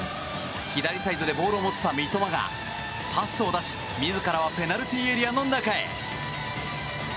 左サイドでボールを持った三笘がパスを出し、自らはペナルティーエリアの中へ。